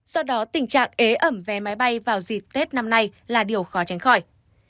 do đó tình trạng ế ẩm vé máy bay vào dịp tết năm nay là điều khó tránh khỏi